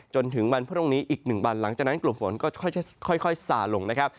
จนถึงวันพรุ่งนี้อีก๑วันหลังจากนั้นกลุ่มฝนก็ค่อยสาลงนะครับ